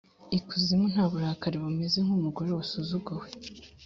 ikuzimu nta burakari bumeze nkumugore wasuzuguwe.